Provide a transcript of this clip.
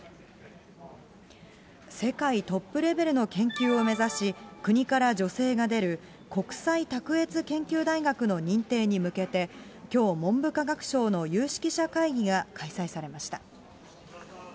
世界トップレベルの研究を目指し、国から助成が出る国際卓越研究大学の認定に向けて、きょう、文部科学省の有識者会議が開催されました。